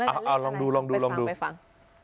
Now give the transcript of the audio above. เอาลองดูลองดูลองดูไปฟัง